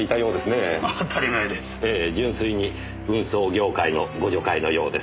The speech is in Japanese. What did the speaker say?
ええ純粋に運送業界の互助会のようです。